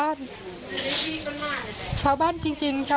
หลังจากผู้ชมไปฟังเสียงแม่น้องชมไป